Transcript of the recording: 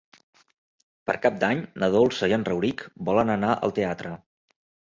Per Cap d'Any na Dolça i en Rauric volen anar al teatre.